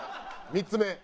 ３つ目。